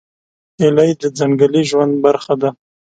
هیلۍ د ځنګلي ژوند برخه ده